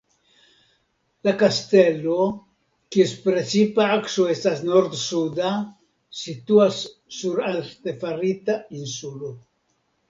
La kastelo, kies precipa akso estas nord-suda, situas sur artefarita insulo.